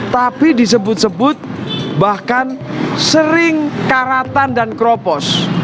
tapi disebut sebut bahkan sering karatan dan kropos